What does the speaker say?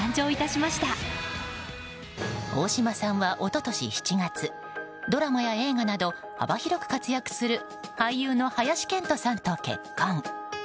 大島さんは一昨年７月ドラマや映画など幅広く活躍する林遣都さんと結婚。